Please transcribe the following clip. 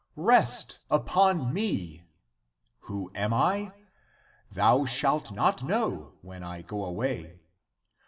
Rest upon me ! Who am I ? Thou shalt not know when I go away.